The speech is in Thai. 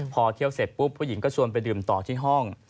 พอเที่ยวเสร็จปุ๊บผู้หญิงก็ชวนไปดื่มต่อที่ห้อง